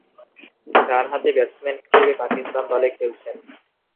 ডানহাতি ব্যাটসম্যান হিসেবে পাকিস্তান দলে খেলছেন।